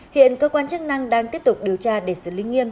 hiện cơ quan chức năng đang tiếp tục điều tra để xử lý nghiêm